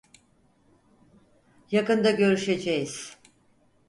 Yakında görüşeceğiz.